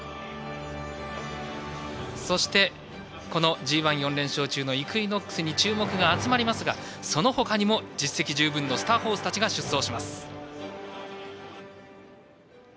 そして、このＧＩ、４連勝中のイクイノックスに注目が集まりますがその他にも実績十分のスターホースたちが出走します。